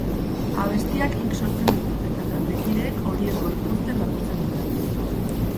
Abestiak nik sortzen ditut eta taldekideek horiek gorpuzten laguntzen didate.